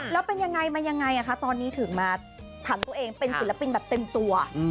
แล้วเป็นยังไงมายังไงคะตอนนี้ถึงมาผันตัวเองเป็นศิลปินแบบเต็มตัว